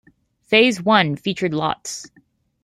Phase one featured lots.